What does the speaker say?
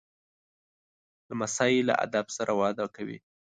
لمسی له ادب سره وده کوي.